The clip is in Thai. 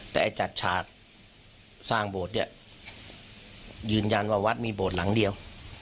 แต่จัดฉากสร้างโบสถ์เนี่ยยืนยันว่าวัดมีโบสถ์หลังเดียว